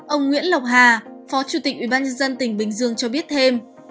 ông nguyễn lộc hà phó chủ tịch ủy ban nhân dân tỉnh bình dương cho biết thêm